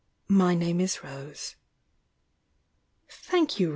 My name is Rose." "Thank you.